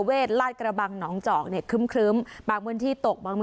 โดยการติดต่อไปก็จะเกิดขึ้นการติดต่อไป